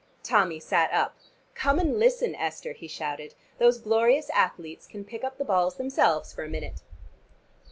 Tommy sat up. "Come and listen, Esther," he shouted. "Those glorious athletes can pick up the balls themselves for a minute."